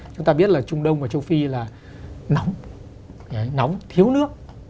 chúng ta biết là trung đông và châu phi là nóng thiếu nước